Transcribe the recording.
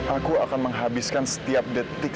aku akan menghabiskan setiap detik